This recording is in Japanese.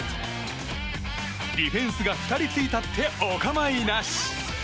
ディフェンスが２人ついたってお構いなし。